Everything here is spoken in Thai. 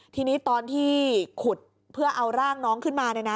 ทีนี้ตอนที่ขุดเพื่อเอาร่างน้องขึ้นมา